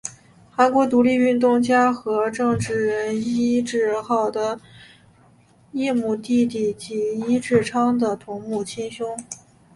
韩国独立运动家和政治人尹致昊的异母弟弟及尹致昌的同母亲兄。